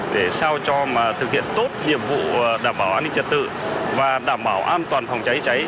để sao cho thực hiện tốt nhiệm vụ đảm bảo an ninh trật tự và đảm bảo an toàn phòng cháy cháy